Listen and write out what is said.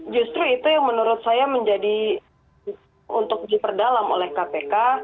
justru itu yang menurut saya menjadi untuk diperdalam oleh kpk